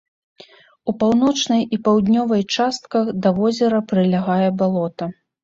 У паўночнай і паўднёвай частках да возера прылягае балота.